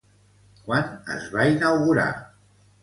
Quan es va inaugurar?